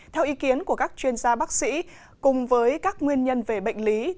theo ý kiến của các chuyên gia bác sĩ cùng với các nguyên nhân về bệnh lý